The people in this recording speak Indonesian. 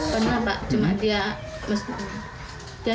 pernah pak cuma dia